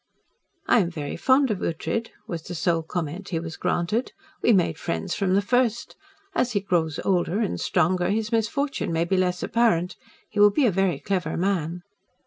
"I am very fond of Ughtred," was the sole comment he was granted. "We made friends from the first. As he grows older and stronger, his misfortune may be less apparent. He will be a very clever man."